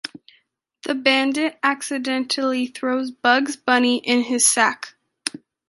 The bandit accidentally throws Bugs Bunny in his sack.